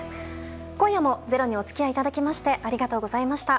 今夜も「ｚｅｒｏ」にお付き合いいただきましてありがとうございました。